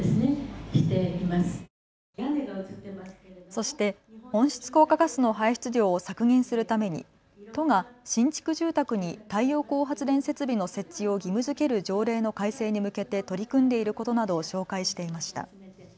そして温室効果ガスの排出量を削減するために都が新築住宅に太陽光発電設備の設置を義務づける条例の改正に向けて取り組んでいることなどを紹介していました。